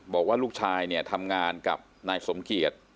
บอกว่าลูกชายเนี่ยทำงานกับนายสมเกียจ